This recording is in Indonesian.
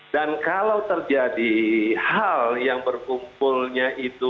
dan kalau terjadi hal yang berkumpulnya itu